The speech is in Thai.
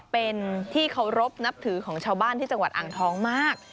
เป็นที่เคารพนับถือของชาวบ้านที่จังหวัดอ่างทองมาก